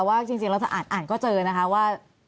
ว่าถ้าอ่านก็เจอนะคะว่า